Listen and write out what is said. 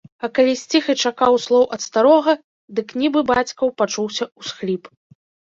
А калі сціх і чакаў слоў ад старога, дык нібы бацькаў пачуўся ўсхліп.